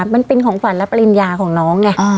มันเป็นของขวัญและปริญญาของน้องไง